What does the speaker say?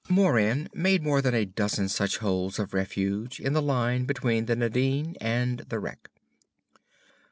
Moran made more than a dozen such holes of refuge in the line between the Nadine and the wreck.